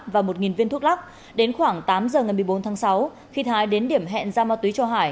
và một viên thuốc lắc đến khoảng tám giờ ngày một mươi bốn tháng sáu khi thái đến điểm hẹn giao ma túy cho hải